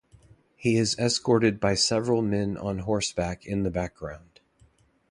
He is escorted by several men on horseback in the background.